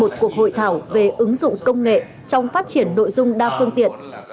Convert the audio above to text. đã tổ chức một cuộc hội thảo về ứng dụng công nghệ trong phát triển nội dung đa phương tiện